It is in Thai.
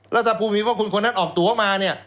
แล้วถ้าผู้มีพระคุณคนนั้นออกตัวมาเนี่ย